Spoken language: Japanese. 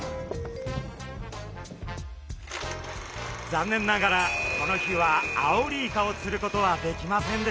残念ながらこの日はアオリイカを釣ることはできませんでした。